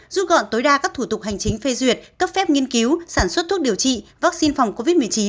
giúp gọn tối đa các thủ tục hành chính phê duyệt cấp phép nghiên cứu sản xuất thuốc điều trị vaccine phòng covid một mươi chín